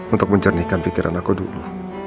untuk menjernihkan pikiran aku dulu